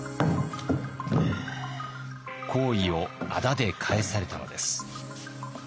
好意をあだで返されたのです。